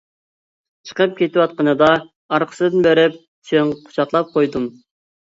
چىقىپ كېتىۋاتقىنىدا ئارقىسىدىن بېرىپ چىڭ قۇچاقلاپ قويدۇم.